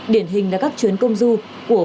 điển hình là các chuyến công du của phóng viên asean